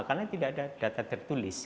karena tidak ada data tertulis